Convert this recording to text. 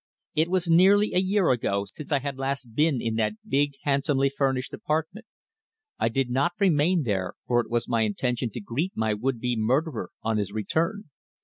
It was nearly a year ago since I had last been in that big, handsomely furnished apartment. I did not remain there, for it was my intention to greet my would be murderer on his return.